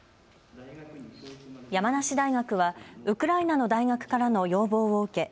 山梨大学はウクライナの大学からの要望を受け